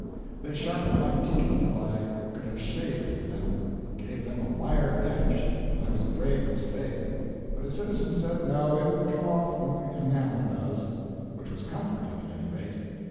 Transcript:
They sharpened my teeth till I could have shaved with them, and gave them a "wire edge" that I was afraid would stay; but a citizen said "no, it will come off when the enamel does"—which was comforting, at any rate.